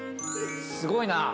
すごいなあ。